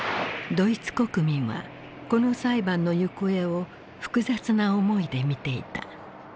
ドイツ国民はこの裁判の行方を複雑な思いで見ていた。